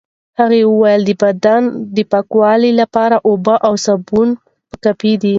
هغه وویل د بدن د پاکوالي لپاره اوبه او سابون کافي دي.